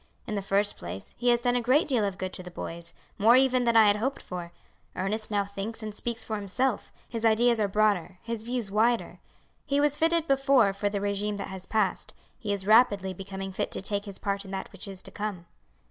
In the first place, he has done a great deal of good to the boys, more even than I had hoped for. Ernest now thinks and speaks for himself, his ideas are broader, his views wider. He was fitted before for the regime that has passed; he is rapidly becoming fit to take his part in that which is to come.